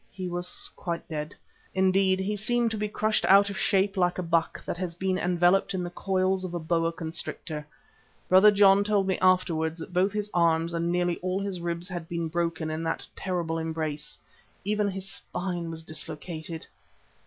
He was quite dead. Indeed, he seemed to be crushed out of shape like a buck that has been enveloped in the coils of a boa constrictor. Brother John told me afterwards that both his arms and nearly all his ribs had been broken in that terrible embrace. Even his spine was dislocated.